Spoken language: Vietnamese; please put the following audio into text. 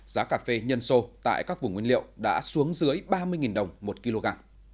giá cà phê nhân sô tại các vùng nguyên liệu đã xuống dưới ba mươi đồng một kg